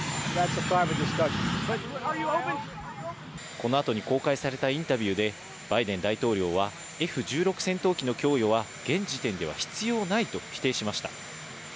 このあとに公開されたインタビューで、バイデン大統領は、Ｆ１６戦闘機の供与は、現時点では必要ないと否定しました。